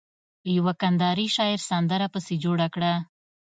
يوه کنداري شاعر سندره پسې جوړه کړه.